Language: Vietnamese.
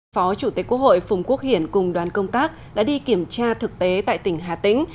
phó chủ tịch quốc hội phùng quốc hiển cùng đoàn công tác đã đi kiểm tra thực tế tại tỉnh hà tĩnh